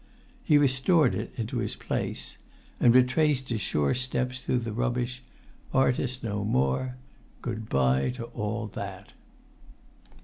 He restored it to his place; and[Pg 49] retraced his sure steps through the rubbish, artist no more. Good bye to that!